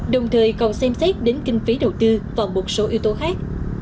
đồng thời còn xem xét đến kinh phí đầu tư và một số yếu tố khác